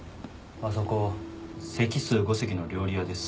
あそこ席数５席の料理屋です。